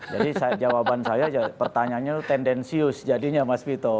jawaban saya pertanyaannya tendensius jadinya mas vito